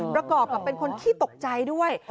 ประกอบเป็นคนที่ตกใจด้วย